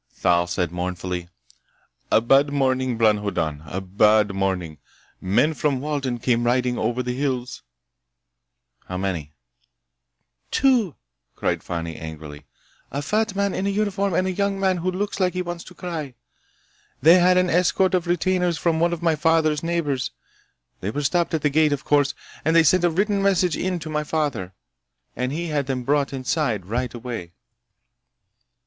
Thal said mournfully: "A bad morning, Bron Hoddan! A bad morning! Men from Walden came riding over the hills—" "How many?" "Two," said Fani angrily. "A fat man in a uniform, and a young man who looks like he wants to cry. They had an escort of retainers from one of my father's neighbors. They were stopped at the gate, of course, and they sent a written message in to my father, and he had them brought inside right away!"